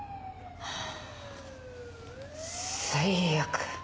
最悪。